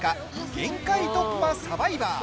「限界突破×サバイバー」。